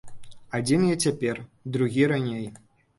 Адзін я цяпер, другі раней.